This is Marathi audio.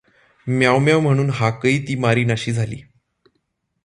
म्यांव म्यांव म्हणून हाकही ती मारीनाशी झाली.